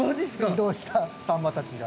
移動したサンマたちが。